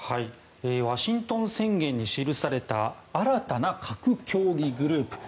ワシントン宣言に記された新たな核協議グループ。